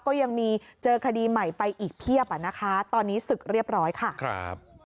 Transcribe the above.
ก็ยังมีเจอคดีใหม่ไปอีกเพียบอ่ะนะคะตอนนี้ศึกเรียบร้อยค่ะครับ